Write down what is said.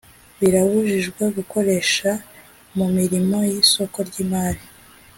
birabujijwe gukoresha mu mirimo y isoko ry imari